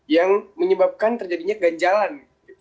yang menyebabkan terjadinya ganjalan